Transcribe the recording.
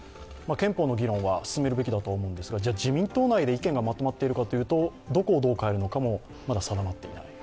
憲法の議論は進めるべきだと思うんですが、じゃあ自民党内で意見がまとまっているかというとどこをどう変えるのかも、まだ定まっていない。